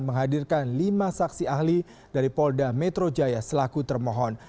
menghadirkan lima saksi ahli dari polda metro jaya selaku termohon